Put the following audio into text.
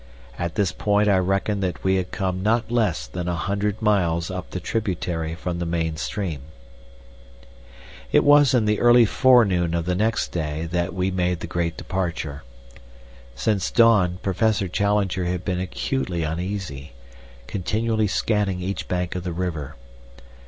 At this point I reckoned that we had come not less than a hundred miles up the tributary from the main stream. It was in the early forenoon of the next day that we made the great departure. Since dawn Professor Challenger had been acutely uneasy, continually scanning each bank of the river.